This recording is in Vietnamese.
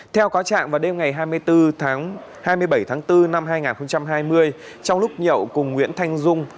theo có trạng vào đêm ngày hai mươi bốn tháng hai mươi bảy tháng bốn năm hai nghìn hai mươi trong lúc nhậu cùng nguyễn thanh dung